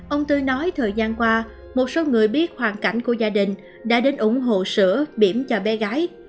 ông tư nói thời gian qua một số người biết hoàn cảnh của gia đình đã đến ủng hộ sữa biển cho bé gái